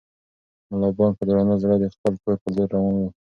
ملا بانګ په درانه زړه د خپل کور په لور روان و.